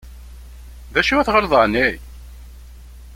D acu i tɣileḍ εni?